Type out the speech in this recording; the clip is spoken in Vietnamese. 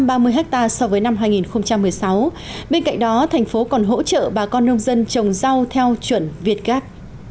bên cạnh đó tp hcm còn hỗ trợ bà con nông dân trồng rau theo chuẩn việt gap